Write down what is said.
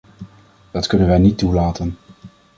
Dat kunnen wij niet toelaten!